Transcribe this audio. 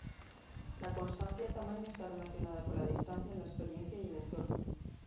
La constancia de tamaño está relacionada con la distancia, la experiencia y el entorno.